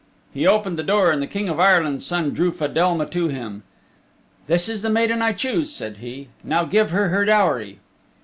He opened the door and the King of Ireland's Son drew Fedelma to him. "This is the maiden I choose," said he, "and now give her her dowry."